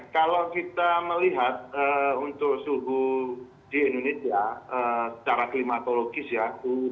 kalau kita melihat untuk suhu di indonesia